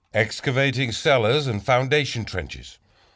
Excavating Cellars and Foundation Trenches.